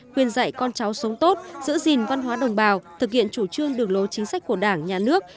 khuyên dạy con cháu sống tốt giữ gìn văn hóa đồng bào thực hiện chủ trương đường lối chính sách của đảng nhà nước